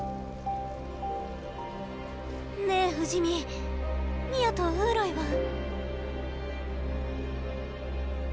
ねえ不死身ミァとウーロイは？